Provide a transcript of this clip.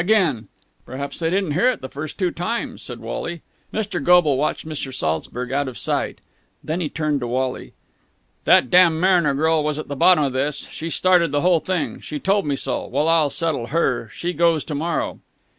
"Again!" "Perhaps they didn't hear it the first two times," said Wally. Mr. Goble watched Mr. Saltzburg out of sight. Then he turned to Wally. "That damned Mariner girl was at the bottom of this! She started the whole thing! She told me so. Well, I'll settle her! She goes to morrow!"